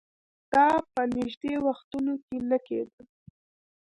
دا په نژدې وختونو کې نه کېدل